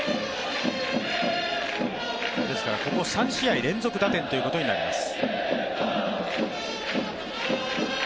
ですからここ３試合連続打点ということになります。